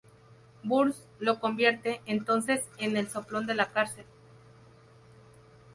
Burns lo convierte, entonces, en el soplón de la cárcel.